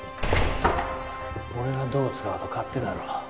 俺がどう使おうと勝手だろ。